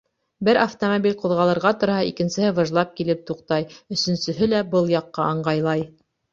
Бер автомобиль ҡуҙғалырға торһа, икенсеһе выжлап килеп туҡтай, өсөнсөһө лә был яҡҡа ыңғайлай.